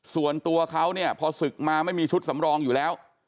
ส่วนตัวเขาเนี่ยพอศึกมาไม่มีชุดสำรองอยู่แล้ว